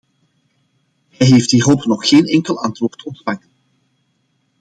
Hij heeft hierop nog geen enkel antwoord ontvangen.